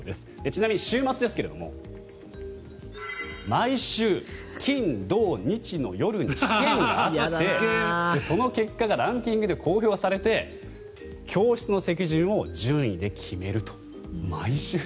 ちなみに週末ですが毎週金、土、日の夜に試験があってその結果がランキングで公表されて教室の席順を順位で決めると毎週。